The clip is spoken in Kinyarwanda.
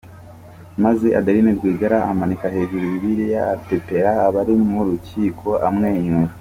maze Adeline Rwigara amanika hejuru Bibiliya apepera abari mu rukiko amwenyura